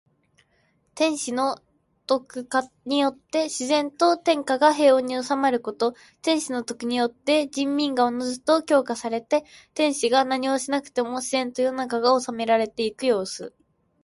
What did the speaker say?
天子の徳化によって自然と天下が平穏に収まること。天子の徳によって人民がおのずと教化されて、天子が何をしなくても自然と世の中が治められているようす。